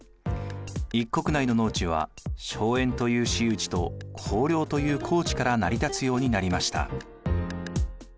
一国内の農地は荘園という私有地と公領という公地から成り立つようになりました。